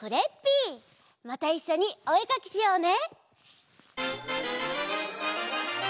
またいっしょにおえかきしようね！